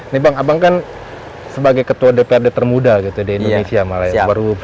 nih bang abang kan sebagai ketua dprd termuda gitu di indonesia malah ya